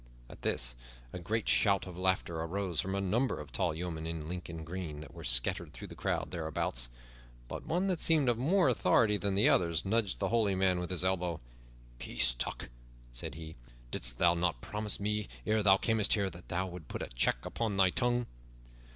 At this a great shout of laughter arose from a number of tall yeomen in Lincoln green that were scattered through the crowd thereabouts; but one that seemed of more authority than the others nudged the holy man with his elbow. "Peace, Tuck," said he, "didst thou not promise me, ere thou camest here, that thou wouldst put a check upon thy tongue?"